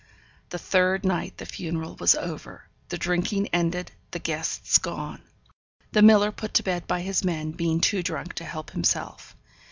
The third night the funeral was over, the drinking ended, the guests gone; the miller put to bed by his men, being too drunk to help himself.